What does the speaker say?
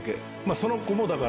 その子もだから。